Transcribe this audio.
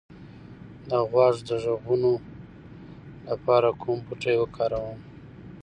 د غوږ د غږونو لپاره کوم بوټی وکاروم؟